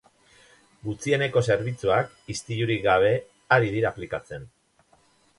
Gutxieneko zerbitzuak istilurik gabe ari dira aplikatzen.